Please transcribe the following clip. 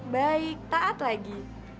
baik taat lagi